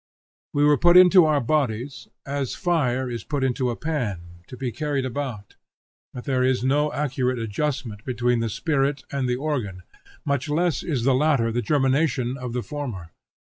We were put into our bodies, as fire is put into a pan to be carried about; but there is no accurate adjustment between the spirit and the organ, much less is the latter the germination of the former.